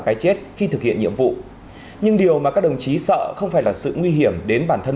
cái chết khi thực hiện nhiệm vụ nhưng điều mà các đồng chí sợ không phải là sự nguy hiểm đến bản thân